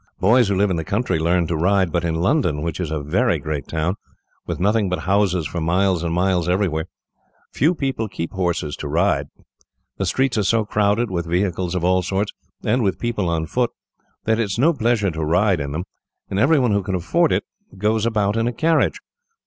"Boys who live in the country learn to ride, but in London, which is a very great town, with nothing but houses for miles and miles everywhere, few people keep horses to ride. The streets are so crowded, with vehicles of all sorts, and with people on foot, that it is no pleasure to ride in them, and everyone who can afford it goes about in a carriage.